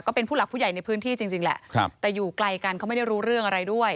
เป็นผู้หลักผู้ใหญ่ในพื้นที่จริงแหละแต่อยู่ไกลกันเขาไม่ได้รู้เรื่องอะไรด้วย